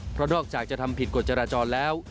เพราะนอกจากจะทำผิดกฎจราจรแล้ว